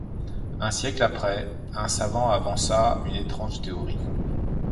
Un siècle après, un savant avança une étrange théorie.